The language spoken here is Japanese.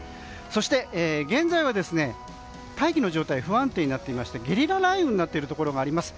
そして現在は大気の状態が不安定になっていましてゲリラ雷雨になっているところがあります。